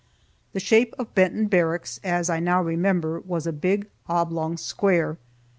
The shape of Benton Barracks, as I now remember, was a big oblong square.